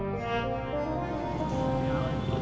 apa apa ya pak